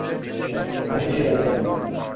অনেক খুঁজিয়া নরকঙ্কালের অস্থি ছাড়া আর কিছুই পাইলেন না।